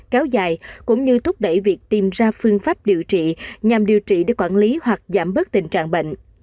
kéo dài cũng như thúc đẩy việc tìm ra phương pháp điều trị nhằm điều trị để quản lý hoặc giảm bớt tình trạng bệnh